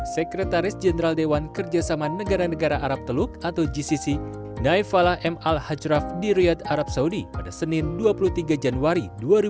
sekretaris jenderal dewan kerjasama negara negara arab teluk atau gcc naifala m al hajraf di riyad arab saudi pada senin dua puluh tiga januari dua ribu dua puluh